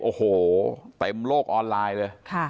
โอ้โหเต็มโลกออนไลน์เลย